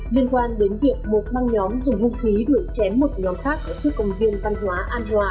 liên quan đến việc một băng nhóm dùng hung khí đuổi chém một nhóm khác ở trước công viên văn hóa an hòa